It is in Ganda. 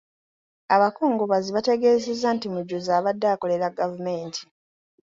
Abakungubazi baategeezezza nti Mujuzi abadde akolera gavumenti.